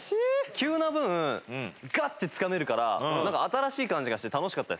急な分ガッてつかめるからなんか新しい感じがして楽しかったです。